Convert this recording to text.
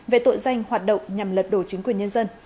về tội danh hoạt động nhằm lật đổ chính quyền nhân dân